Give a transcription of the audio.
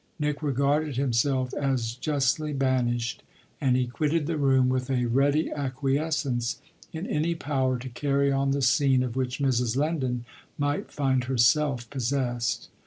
Nick regarded himself as justly banished, and he quitted the room with a ready acquiescence in any power to carry on the scene of which Mrs. Lendon might find herself possessed.